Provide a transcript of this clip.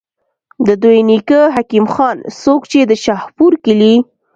د دوي نيکۀ حکيم خان، څوک چې د شاهپور کلي